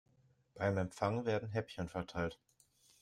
Beim Empfang werden Häppchen verteilt.